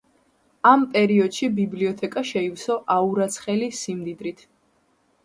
ამ პერიოდში ბიბლიოთეკა შეივსო აურაცხელი სიმდიდრით.